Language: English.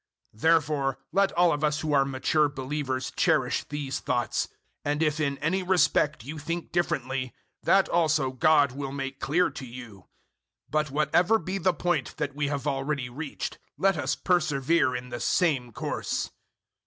003:015 Therefore let all of us who are mature believers cherish these thoughts; and if in any respect you think differently, that also God will make clear to you. 003:016 But whatever be the point that we have already reached, let us persevere in the same course.